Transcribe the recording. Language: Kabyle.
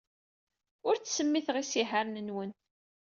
Ur ttsemmiteɣ isihaṛen-nwen.